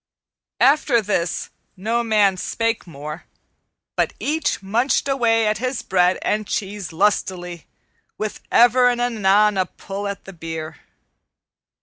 After this no man spake more, but each munched away at his bread and cheese lustily, with ever and anon a pull at the beer.